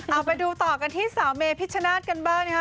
เอาไปดูต่อกันที่สาวเมพิชชนาธิ์กันบ้างนะครับ